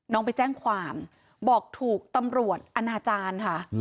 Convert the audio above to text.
ไปแจ้งความบอกถูกตำรวจอนาจารย์ค่ะ